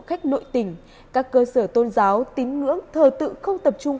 khách nội tỉnh các cơ sở tôn giáo tín ngưỡng thờ tự không tập trung